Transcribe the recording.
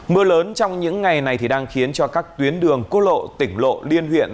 mưa lớn trong những ngày này đang khiến cho các tuyến đường cố lộ tỉnh lộ liên huyện